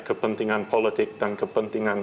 kepentingan politik dan kepentingan